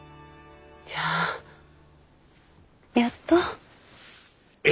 じゃあやっと。え！？